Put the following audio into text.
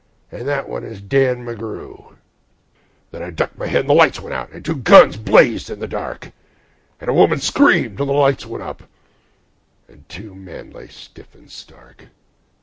and that one is Dan McGrew." Then I ducked my head, and the lights went out, and two guns blazed in the dark, And a woman screamed, and the lights went up, and two men lay stiff and stark.